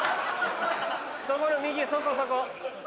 そこの右そこそこ。